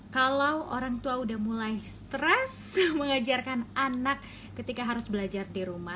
kalau orang tua udah mulai stres mengajarkan anak ketika harus belajar di rumah